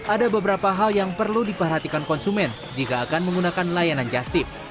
ada beberapa hal yang perlu diperhatikan konsumen jika akan menggunakan layanan justip